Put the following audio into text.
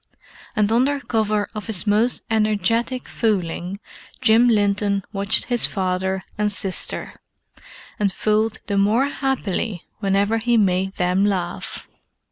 And under cover of his most energetic fooling Jim Linton watched his father and sister, and fooled the more happily whenever he made them laugh.